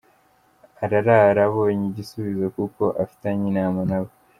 ararara abonye igisubizo kuko afitanye inama nabo.